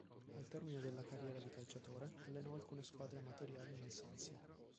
Al termine della carriera di calciatore allenò alcune squadre amatoriali in Alsazia.